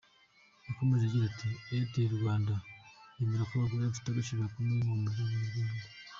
Yakomeje agira ati “Airtel Rwanda yemera ko abagore bafite agaciro gakomeye mu muryango nyarwanda.